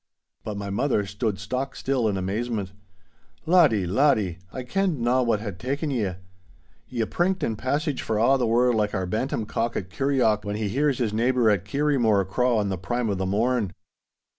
But my mother stood stock still in amazement. 'Laddie, laddie, I kenned na what had taken ye—ye prinked and passaged for a' the world like our bantam cock at Kirrieoch, when he hears his neighbour at Kirriemore craw in the prime of the morn.